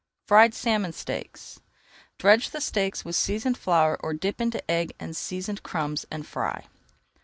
FRIED SALMON STEAKS Dredge the steaks with seasoned flour or dip into egg and seasoned crumbs and fry.